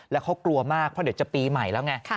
แล้วเขากลัวมากเพราะเดี๋ยวจะปีใหม่แล้วไง